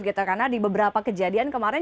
karena di beberapa kejadian kemarin